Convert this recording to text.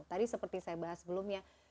tadi seperti saya bahas sebelumnya